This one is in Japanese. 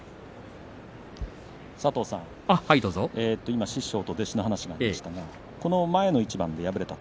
今、師匠と弟子の話が出ましたが前の一番で敗れた